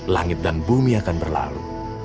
langit dan bumi akan berlalu